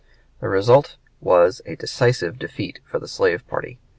The result was a decisive defeat for the slave party.